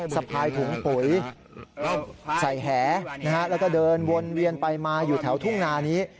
สะพายถุงปุ๋ยใส่แหแล้วก็เดินวนเวียนไปมาอยู่แถวทุ่งนานี้